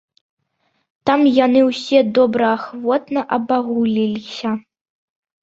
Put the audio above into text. Там яны ўсе добраахвотна абагуліліся.